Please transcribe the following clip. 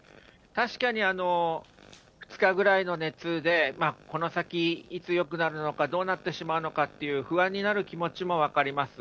確かに、２日ぐらいの熱でこの先、いつよくなるのか、どうなってしまうのかっていう不安になる気持ちも分かります。